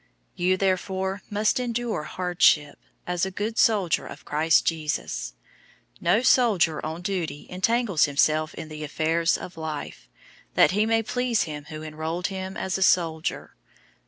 002:003 You therefore must endure hardship, as a good soldier of Christ Jesus. 002:004 No soldier on duty entangles himself in the affairs of life, that he may please him who enrolled him as a soldier.